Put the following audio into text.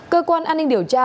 cơ quan an ninh điều trị